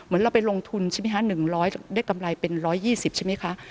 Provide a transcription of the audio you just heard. เหมือนเราไปลงทุนใช่มั้ยคะ๑๐๐ได้กำไรเป็น๑๒๐ใช่มั้ยคะ